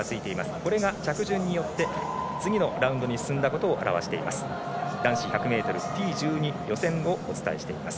これが着順によって次のラウンドに進んだことを表します。